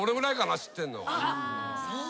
知ってるの。